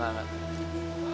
gak gak gak